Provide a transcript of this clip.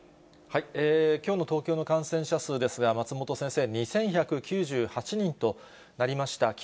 きょうの東京の感染者数ですが、松本先生、２１９８人となりました。